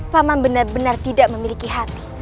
paman benar benar tidak memiliki hati